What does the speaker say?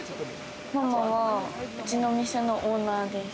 ママはうちの店のオーナーです。